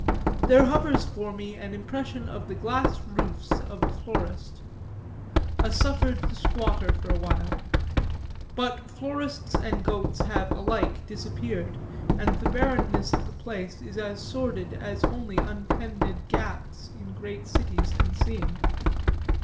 There hovers for me an impression of the glass roofs of a florist, a suffered squatter for a while; but florists and goats have alike disappeared and the barrenness of the place is as sordid as only untended gaps in great cities can seem.